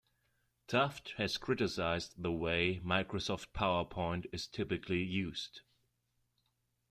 Tufte has criticized the way Microsoft PowerPoint is typically used.